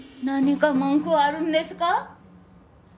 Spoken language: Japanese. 何か文句あるんですか？